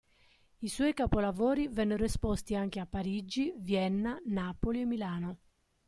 I suoi capolavori vennero esposti anche a Parigi, Vienna, Napoli e Milano.